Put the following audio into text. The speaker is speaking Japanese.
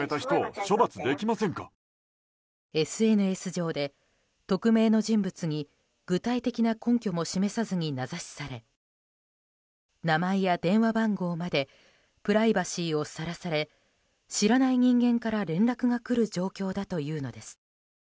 ＳＮＳ上で、匿名の人物に具体的な根拠も示さずに名指しされ名前や電話番号までプライバシーをさらされ知らない人間から連絡が来る状況だというのです。